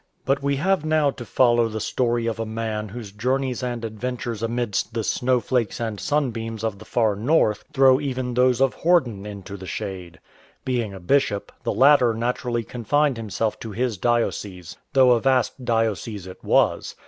But we have now to follow the story of a man whose journeys and adventures amidst the " snowflakes and sunbeams " of the Far North throw even those of Horden into the shade. Being a bishop, the latter naturally confined himself to his diocese ; though a vast diocese it was.